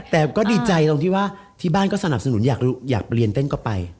แต่ก็ดีใจตรงที่ว่าที่บ้านก็สนับสนุนอยากเรียนเต้นก็ไป